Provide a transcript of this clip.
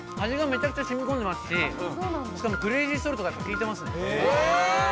味がめちゃくちゃ染み込んでいますし、しかもクレイジーソルトが効いていますね。